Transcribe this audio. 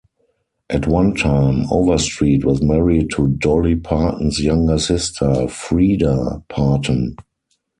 At one time, Overstreet was married to Dolly Parton's younger sister, Freida Parton.